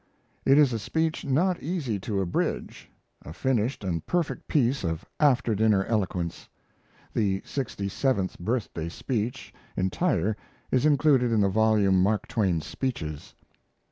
It is a speech not easy to abridge a finished and perfect piece of after dinner eloquence, [The "Sixty seventh Birthday Speech" entire is included in the volume Mark Twain's Speeches.